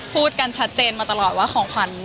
พูดกันชัดเจนมาตลอดว่าของขวัญ